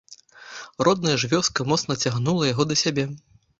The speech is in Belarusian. Родная ж вёска моцна цягнула яго да сябе.